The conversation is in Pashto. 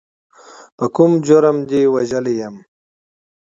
په کوم جرم دې وژلی یم.